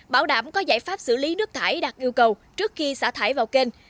bảo đảm có giải pháp xử lý nước thải đạt yêu cầu trước khi xả thải vào kênh